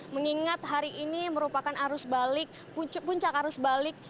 mengingat hari ini merupakan arus balik puncak arus balik